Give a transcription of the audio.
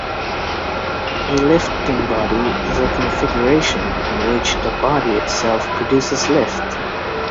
A lifting body is a configuration in which the body itself produces lift.